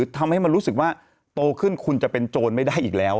ทำให้มันรู้สึกว่าโตขึ้นคุณจะเป็นโจรไม่ได้อีกแล้ว